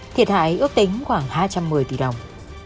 thiệt hại ước tính khoảng hai trăm một mươi tỷ đồng